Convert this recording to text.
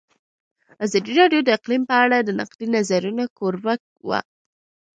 ازادي راډیو د اقلیم په اړه د نقدي نظرونو کوربه وه.